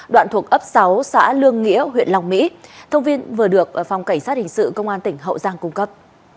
đoạn thuộc ấp sáu xã lương nghĩa huyện long mỹ thông tin vừa được phòng cảnh sát hình sự công an tỉnh hậu giang cung cấp